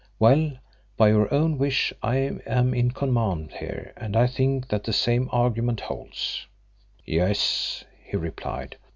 Well, by your own wish I am in command here and I think that the same argument holds." "Yes," he replied.